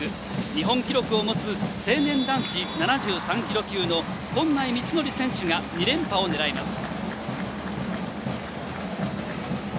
日本記録を持つ成年男子７３ｋｇ級の近内三孝選手が２連覇を狙います。